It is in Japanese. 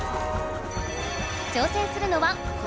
挑戦するのはこの４人。